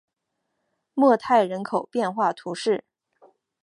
莫泰人口变化图示